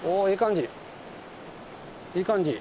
いい感じ。